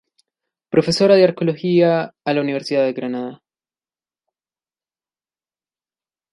Profesora de arqueología a la Universidad de Granada.